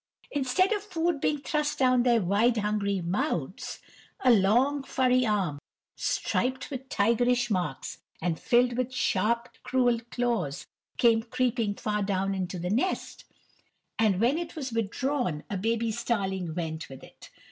Instead of food being thrust down into their wide, hungry mouths, a long, furry arm, striped with tigerish marks and filled with sharp, cruel claws, came creeping far down into the nest, and when it was withdrawn a baby starling went with it.